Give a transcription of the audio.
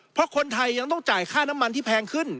เพราะคนไทยยังต้องจ่ายค่าน้ำมันที่แพงขึ้น